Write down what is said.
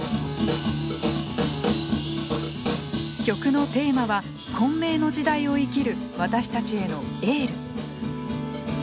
曲のテーマは混迷の時代を生きる私たちへのエール。